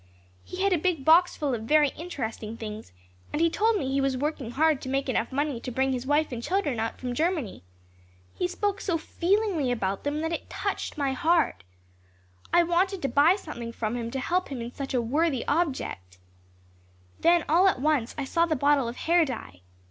He had a big box full of very interesting things and he told me he was working hard to make enough money to bring his wife and children out from Germany. He spoke so feelingly about them that it touched my heart. I wanted to buy something from him to help him in such a worthy object. Then all at once I saw the bottle of hair dye.